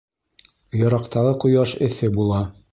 Йыраҡтағы ҡояш эҫе була.